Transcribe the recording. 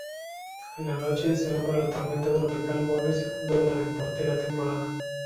En la noche, se nombra la Tormenta tropical Bonnie, segunda de la temporada.